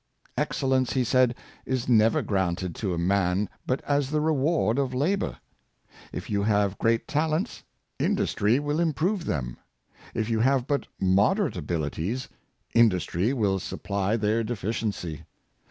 " Excellence," he said, '' is never granted to man but as the reward of labor." " If you have great talents, industry will improve them; if you have but moderate abilities, industry will supply their deficiency.